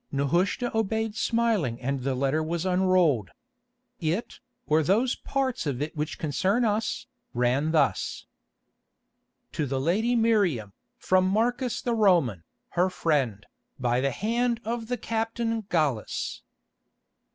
Nehushta obeyed smiling and the letter was unrolled. It, or those parts of it which concern us, ran thus: "To the lady Miriam, from Marcus the Roman, her friend, by the hand of the Captain Gallus.